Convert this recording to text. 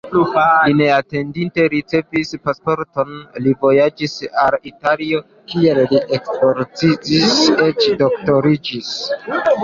Li neatendite ricevis pasporton, li vojaĝis al Italio, kie li ekspoziciis, eĉ doktoriĝis.